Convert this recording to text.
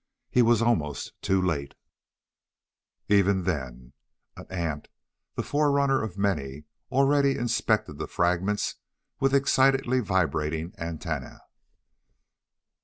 He was almost too late, even then. An ant the forerunner of many already inspected the fragments with excitedly vibrating antennae.